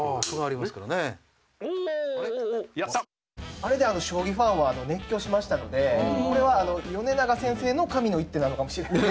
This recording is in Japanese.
あれで将棋ファンは熱狂しましたのでこれは米長先生の神の一手なのかもしれないなって。